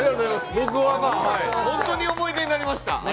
僕は本当に思い出になりました。